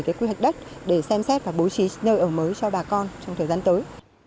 cái quy hoạch đất để xem xét và bố trí nơi ở mới cho bà con trong thời gian tới